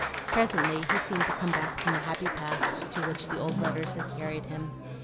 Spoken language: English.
Presently he seemed to come back from the happy past to which the old letters had carried him.